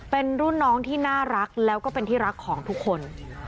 เป็นรุ่นน้องที่น่ารักแล้วก็เป็นที่รักของทุกคน